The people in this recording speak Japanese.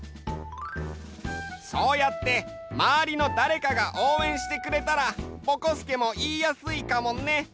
そうやってまわりのだれかがおうえんしてくれたらぼこすけもいいやすいかもね。